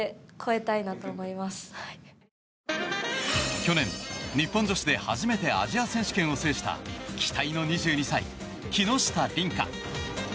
去年、日本女子で初めてアジア選手権を制した期待の２２歳、木下鈴花。